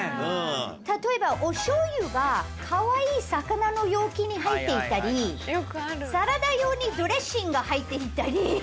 例えばおしょうゆがかわいい魚の容器に入っていたりサラダ用にドレッシングが入っていたり。